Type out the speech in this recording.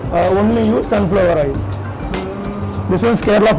hanya menggunakan air tanah